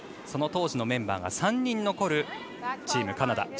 その当時のメンバーが３人残るチームカナダ。